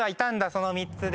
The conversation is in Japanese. その３つで。